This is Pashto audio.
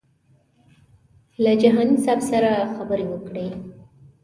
له جهاني صاحب سره خبرې وکړې.